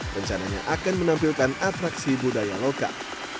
rencananya akan menampilkan atraksi budaya lokal